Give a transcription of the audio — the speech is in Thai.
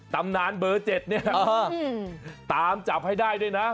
ตำนานเบอร์๗เนี่ยตามจับให้ได้ด้วยนะ